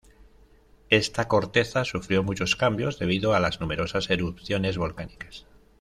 Esta corteza sufrió muchos cambios, debido a las numerosas erupciones volcánicas.